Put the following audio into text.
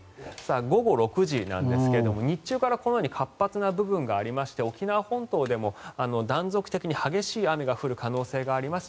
午後６時なんですが日中から活発な部分がありまして沖縄本島でも断続的に激しい雨が降る可能性があります。